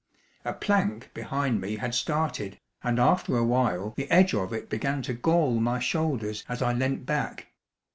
A plank behind me had started, and after a while the edge of it began to gall my shoulders as I leant back.